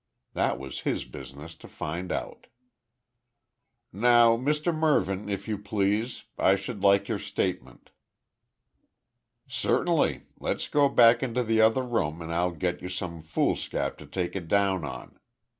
That was his business to find out. "Now Mr Mervyn, if you please. I should like your statement." "Certainly. Let's go back into the other room and I'll get you some foolscap to take it down on.